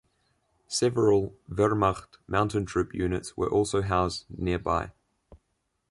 Several Wehrmacht mountain troop units were also housed nearby.